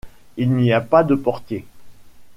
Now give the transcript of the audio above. Il n’y a pas de portier.